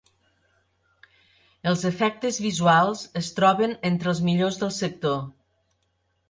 Els efectes visuals es troben entre els millors del sector.